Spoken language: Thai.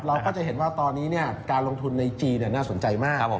เราก็จะเห็นว่าตอนนี้การลงทุนในจีนน่าสนใจมาก